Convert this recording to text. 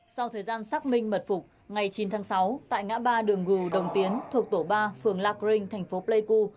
sau thời gian xác minh mật phục ngày chín tháng sáu tại ngã ba đường gù đồng tiến thuộc tổ ba phường la green thành phố pleiku